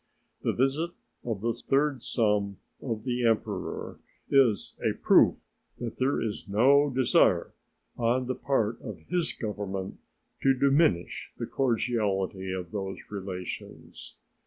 The visit of the third son of the Emperor is a proof that there is no desire on the part of his Government to diminish the cordiality of those relations.